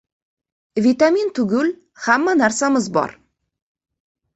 Vitamin tugul, hamma narsamiz bor!